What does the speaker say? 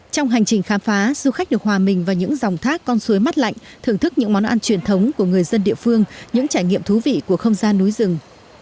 trong hành trình khám phá du khách được hòa mình vào những dòng thác con suối mắt lạnh thưởng thức những món ăn truyền thống của người dân địa phương những trải nghiệm thú vị của không gian núi rừng